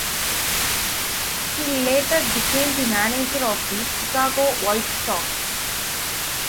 He later became the manager of the Chicago White Sox.